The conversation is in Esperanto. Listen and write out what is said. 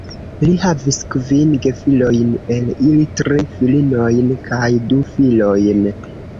Li havis kvin gefilojn, el ili tri filinojn kaj du filojn.